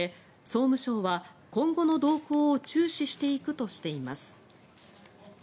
総務省は今後の動向を注視していくとしています。